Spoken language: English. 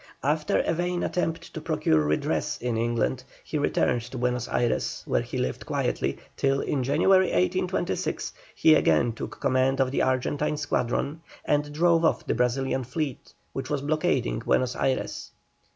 After a vain attempt to procure redress in England he returned to Buenos Ayres, where he lived quietly, till in January, 1826, he again took command of the Argentine squadron, and drove off the Brazilian fleet, which was blockading Buenos Ayres.